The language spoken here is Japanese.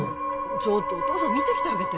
ちょっとお父さん見てきてあげて・